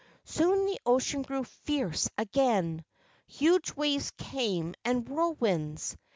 Soon the ocean grew fierce again. Huge waves came, and whirlwinds.